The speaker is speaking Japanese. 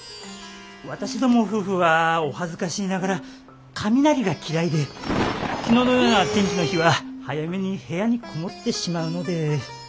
私ども夫婦はお恥ずかしいながら雷が嫌いで昨日のような天気の日は早めに部屋に籠もってしまうので。